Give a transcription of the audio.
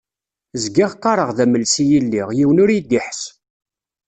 Zgiɣ qqareɣ d amelsi i lliɣ, yiwen ur yi-d-iḥess.